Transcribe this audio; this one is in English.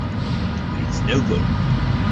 But it's no good.